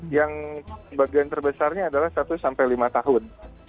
yang bagian terbesarnya adalah satu sampai lima tahun